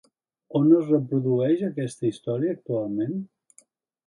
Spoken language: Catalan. On es reprodueix aquesta història actualment?